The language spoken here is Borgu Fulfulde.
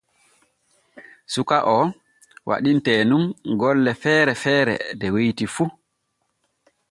Suka o waɗinte nun golle feere feere de weeti fu.